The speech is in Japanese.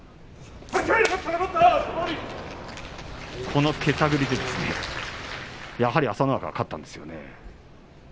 このけたぐりで朝乃若が勝ったんですよね。